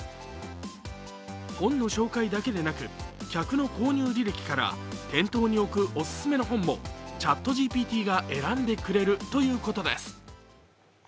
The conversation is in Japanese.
本の紹介だけでなく、客の購入歴から店頭に置くオススメの本をＣｈａｔＧＰＴが選んでくれるということです。